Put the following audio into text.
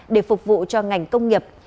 để phục vụ cho ngành công nghiệp